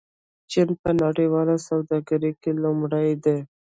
چین په نړیواله سوداګرۍ کې لومړی دی.